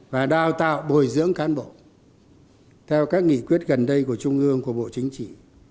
và đào tạo bồi dưỡng cán bộ theo các nghị quyết gần đây của trung ương của bộ chính trị